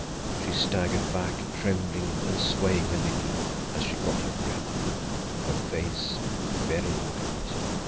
She staggered back, trembling and swaying a little as she got her breath, her face very white.